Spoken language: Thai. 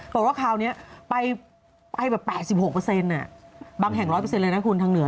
บอกว่าคราวนี้ไปแบบ๘๖บางแห่ง๑๐๐เลยนะคุณทางเหนือ